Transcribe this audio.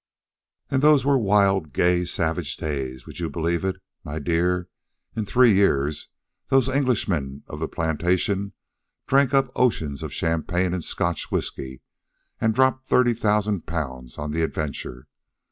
"Ah, those were wild, gay, savage days. Would you believe it, my dear, in three years those Englishmen of the plantation drank up oceans of champagne and Scotch whisky and dropped thirty thousand pounds on the adventure.